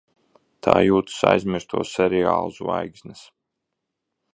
Tā jūtas aizmirsto seriālu zvaigznes.